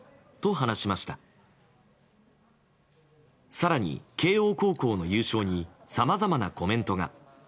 更に、慶應高校の優勝にさまざまなコメントが。